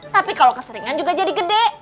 tapi kalau keseringan juga jadi gede